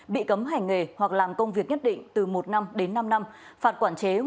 bị cấm hành nghề hoặc làm công việc nhất định từ một năm đến năm năm phạt quản chế